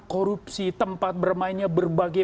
korupsi tempat bermainnya berbagai